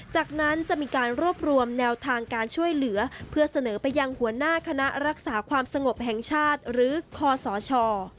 จากนั้นจะมีการรวบรวมแนวทางการช่วยเหลือเพื่อเสนอไปยังหัวหน้าคณะรักษาความสงบแห่งชาติหรือคอสช